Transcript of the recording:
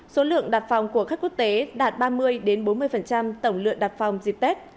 số lượng đặt phòng của khách quốc tế đạt ba mươi bốn mươi tổng lượng đặt phòng dịp tết